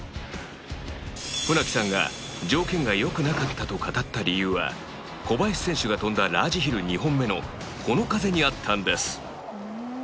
船木さんが条件が良くなかったと語った理由は小林選手が飛んだラージヒル２本目のこの風にあったんです